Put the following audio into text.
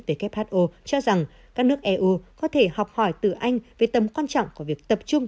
who cho rằng các nước eu có thể học hỏi từ anh về tầm quan trọng của việc tập trung